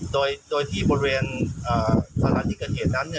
โดยที่บนเวียนสถานที่กระเทศนั้น